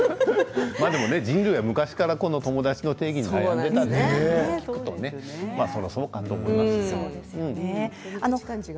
人類は昔から、この友達の定義に悩んでいたと聞くとそれはそうかと思いますね。